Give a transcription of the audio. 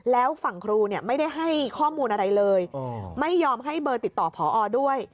แล้วฝั่งครูไม่ได้ให้ข้อมูลอะไรเลยไม่ยอมให้เบอร์ติดต่อพอด้วย